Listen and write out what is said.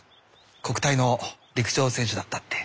国体の陸上選手だったって。